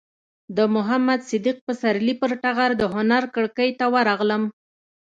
د محمد صدیق پسرلي پر ټغر د هنر کړکۍ ته ورغلم.